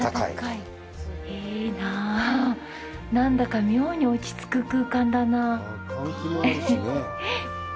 何だか妙に落ちつく空間だなあ。